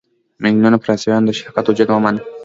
میلیونونو فرانسویانو د شرکت وجود ومانه.